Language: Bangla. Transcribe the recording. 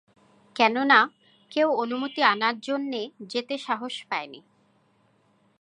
কেননা, কেউ অনুমতি আনার জন্যে যেতে সাহস পায়নি।